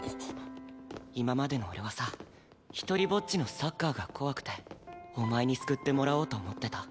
今までの俺はさひとりぼっちのサッカーが怖くてお前に救ってもらおうと思ってた。